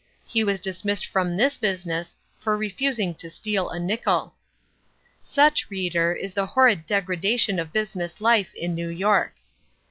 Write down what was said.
He was dismissed from this business for refusing to steal a nickel. Such, reader, is the horrid degradation of business life in New York.